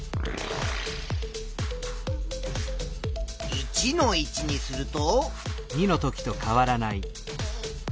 １の位置にすると。